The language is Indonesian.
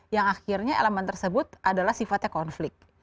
yang akhirnya elemen tersebut adalah sifatnya konflik